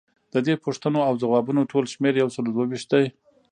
ددې پوښتنو او ځوابونو ټول شمیر یوسلو دوه ویشت دی.